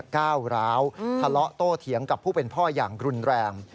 ก้าวร้าวทะเลาะโตเถียงกับผู้เป็นพ่ออย่างรุนแรง